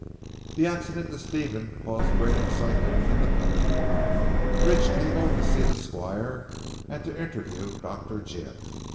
The accident to Stephen caused great excitement in the country. Bridge came over to see the squire and to interview Dr. Jim.